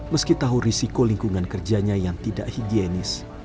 meski tahu risiko lingkungan kerjanya yang tidak higienis